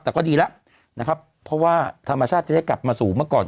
แต่ก็ดีแล้วนะครับเพราะว่าธรรมชาติจะได้กลับมาสู่เมื่อก่อน